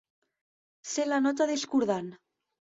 Ser la nota discordant.